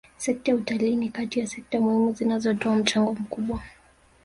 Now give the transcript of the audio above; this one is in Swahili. Sekta ya utalii ni kati ya sekta muhimu zinazotoa mchango mkubwa